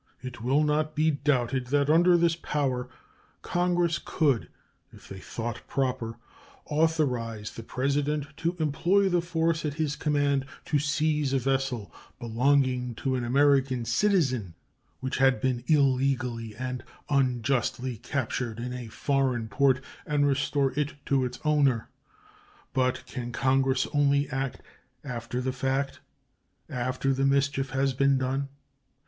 It will not be doubted that under this power Congress could, if they thought proper, authorize the President to employ the force at his command to seize a vessel belonging to an American citizen which had been illegally and unjustly captured in a foreign port and restore it to its owner. But can Congress only act after the fact, after the mischief has been done?